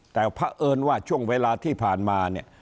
แต่เพราะเอิญว่าช่วงเวลาที่ผ่านมาเนี่ย